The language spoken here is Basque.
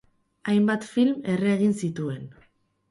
Hainbat film erre egin zituen.